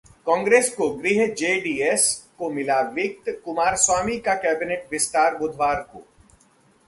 कांग्रेस को गृह, जेडीएस को मिला वित्त, कुमारस्वामी का कैबिनेट विस्तार बुधवार को